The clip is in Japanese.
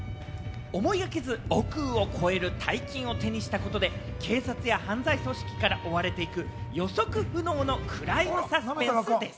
思いがけず、億を超える大金を手にしたことで、警察や犯罪組織から追われていく予測不能のクライムサスペンスです。